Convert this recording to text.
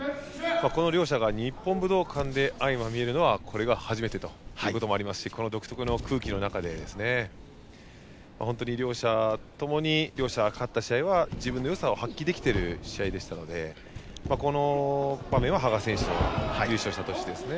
この両者が日本武道館で相まみえるのはこれが初めてということもありますしこの独特の空気の中で本当に両者ともに両者が勝った試合は自分のよさを発揮できている試合でしたのでこの場面は羽賀選手の優勝した年ですね。